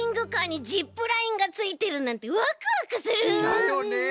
だよね。